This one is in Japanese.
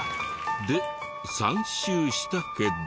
で３周したけど。